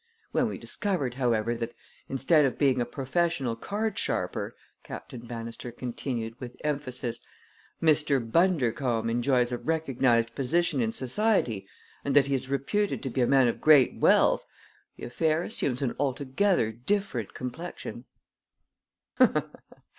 When we discovered, however, that, instead of being a professional card sharper," Captain Bannister continued, with emphasis, "Mr. Bundercombe enjoys a recognized position in society, and that he is reputed to be a man of great wealth, the affair assumes an altogether different complexion."